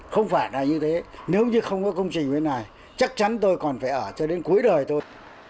không phải là như thế nếu như không có công trình bên này chắc chắn tôi còn phải ở cho đến cuối đời tôi